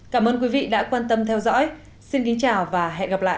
cảm ơn quý vị đã quan tâm theo dõi xin kính chào và hẹn gặp lại